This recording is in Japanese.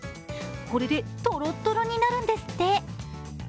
これで、とろっとろになるんですって。